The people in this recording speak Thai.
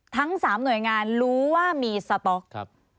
ทั้งสามหน่วยงานรู้ว่ามีสต๊อก